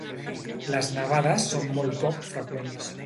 Les nevades són molt poc freqüents.